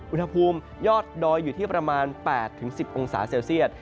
อุณหภูมิยอดดอยอยู่ที่ประมาณ๘๑๐องศาเซลเซียต